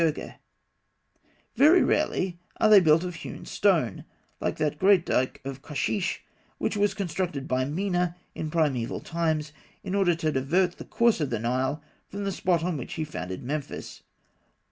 Very rarely are they built of hewn stone, like that great dike of Kosheish which was constructed by Mena in primaeval times, in order to divert the course of the Nile from the spot on which he founded Memphis.